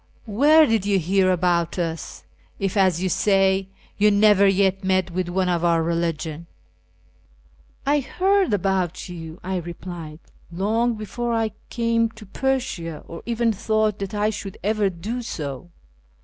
Where did you hear about us, if, as you say, you never yet met with one of our religion ?"" I heard about you," 1 replied, " long before I came to Persia, or even thought that I should ever do so.